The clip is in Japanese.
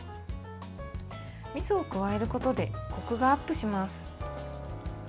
みそを加えることでこくがアップします。